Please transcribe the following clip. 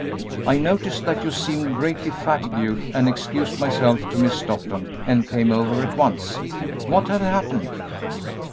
I noticed that you seemed greatly fatigued and excused myself to Miss Stockton and came over at once. What had happened?"